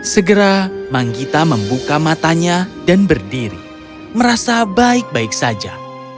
segera manggita membuka matanya dan berdiri merasa baik baik saja